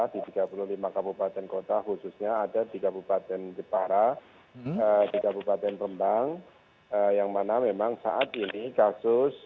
di tiga puluh lima kabupaten kota khususnya ada di kabupaten jepara di kabupaten rembang yang mana memang saat ini kasus